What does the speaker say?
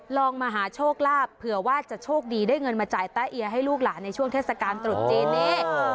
ลองมาหาโชคลาภเผื่อว่าจะโชคดีได้เงินมาจ่ายแต๊เอียให้ลูกหลานในช่วงเทศกาลตรุษจีนนี้